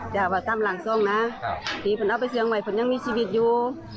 จะประทำรางทรงนะพีทเอาไปเชื่องไว้ประทำนึงยังมีชีวิตอยู่